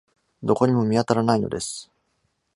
どこにも見当たらないのです。